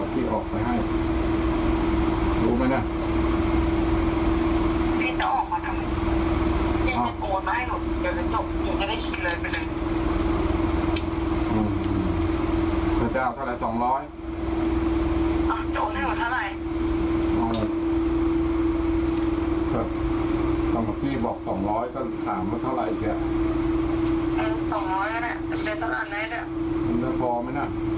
พี่บอกสองร้อยก็ถามว่าเท่าไหร่ค่ะ